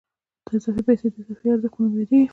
دا اضافي پیسې د اضافي ارزښت په نوم یادېږي